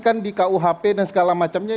kan di kuhp dan segala macamnya